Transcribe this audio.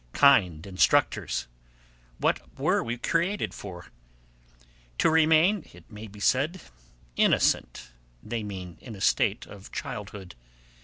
Kind instructors! what were we created for? To remain, it may be said, innocent; they mean in a state of childhood.